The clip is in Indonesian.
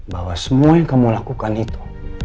bahwa semua yang kamu lakukan itu